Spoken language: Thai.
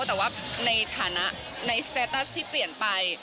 แต่ว่าในฐานะในสเตตัสที่เปลี่ยนไป